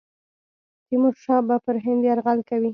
تیمورشاه به پر هند یرغل کوي.